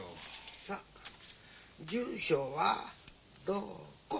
さっ住所はどこ？